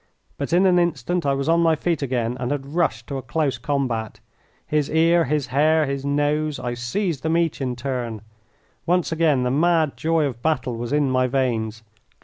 But in an instant I was on my feet again and had rushed to a close combat. His ear, his hair, his nose, I seized them each in turn. Once again the mad joy of the battle was in my veins.